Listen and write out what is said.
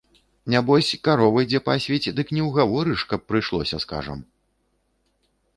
Нябось, каровы дзе пасвіць, дык не ўгаворыш, каб прыйшлося, скажам.